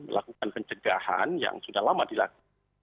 melakukan pencegahan yang sudah lama dilakukan